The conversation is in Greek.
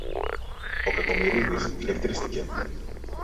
Ο Κακομοιρίδης ηλεκτρίστηκε.